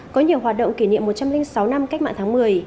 có nhiều hoạt động kỷ niệm một trăm linh sáu năm cách mạng tháng một mươi